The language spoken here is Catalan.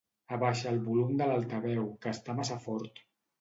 Abaixa el volum de l'altaveu que està massa fort.